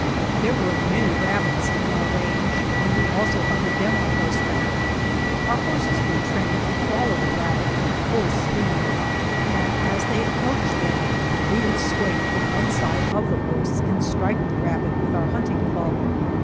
There were many rabbits in our range, and we also hunted them on horseback. Our horses were trained to follow the rabbit at full speed, and as they approached them we would swing from one side of the horse and 32 TRIBAL CUSTOMS strike the rabbit with our hunting club.